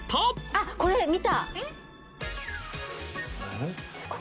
あっこれ見た！えっ？